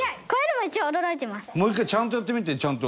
もう１回ちゃんとやってみてちゃんと。